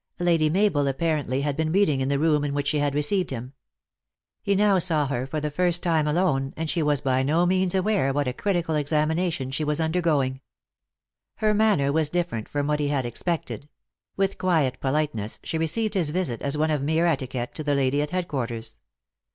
Lady Mabel apparently had been reading in the room in which she received him. He now saw her for the first time alone, and she was by no means aware what a critical examination she was undergoing. Her man ner was different from what he had expected. With quiet politeness she received his visit as one of mere etiquette to the lady at headquarters.